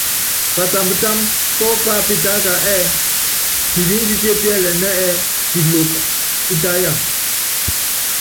Patambtámb pɔ́ pápitáka ɛ́ɛ piliínditié píɛlɛnɛ́ ɛ́ɛ Piloko pítáyan.